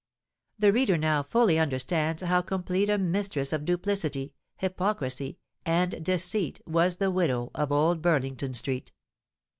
The reader now fully understands how complete a mistress of duplicity—hypocrisy—and deceit was the widow of Old Burlington Street.